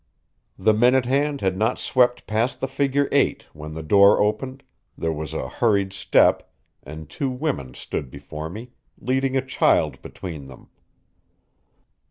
The minute hand had not swept past the figure VIII when the door opened, there was a hurried step, and two women stood before me, leading a child between them.